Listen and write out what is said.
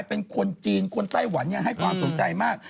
เป็นคนจีนคนไต้หวันให้ความสนใจมาก